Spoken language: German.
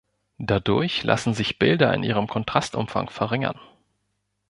Dadurch lassen sich Bilder in ihrem Kontrastumfang verringern.